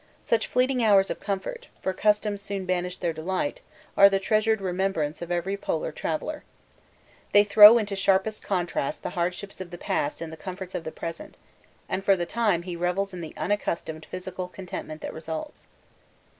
Such fleeting hours of comfort (for custom soon banished their delight) are the treasured remembrance of every Polar traveller. They throw into sharpest contrast the hardships of the past and the comforts of the present, and for the time he revels in the unaccustomed physical contentment that results.